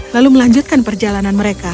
lalu melanjutkan perjalanan mereka